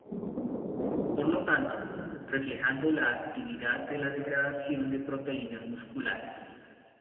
Por lo tanto, reflejando la actividad de la degradación de proteínas musculares.